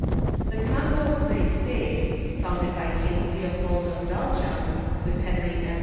The Congo Free State, founded by King Leopold of Bel gium, with Henry M.